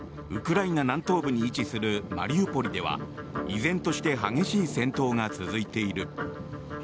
ウクライナ南東部に位置するマリウポリでは依然として激しい戦闘が続いている。